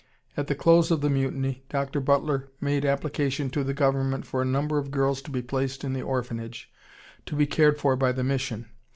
At the close of the mutiny, Dr. Butler made application to the government for a number of girls to be placed in the orphanage, to be cared for by the mission.